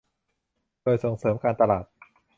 โดยส่งเสริมการตลาด